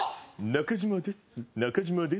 中島です。